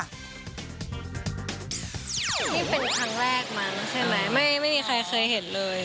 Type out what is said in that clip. นี่เป็นครั้งแรกมั้งใช่ไหมไม่มีใครเคยเห็นเลย